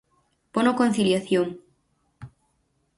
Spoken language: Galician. Bono conciliación.